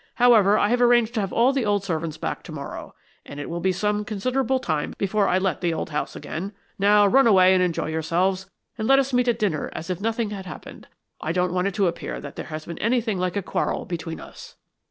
However, I have arranged to have all the old servants back to morrow, and it will be some considerable time before I let the old house again. Now run away and enjoy yourselves, and let us meet at dinner as if nothing had happened. I don't want it to appear that there has been anything like a quarrel between us."